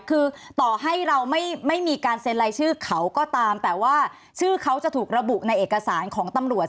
คือต่อให้เราไม่มีการเซ็นรายชื่อเขาก็ตามแต่ว่าชื่อเขาจะถูกระบุในเอกสารของตำรวจ